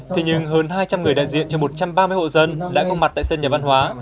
thế nhưng hơn hai trăm linh người đại diện cho một trăm ba mươi hộ dân đã có mặt tại sân nhà văn hóa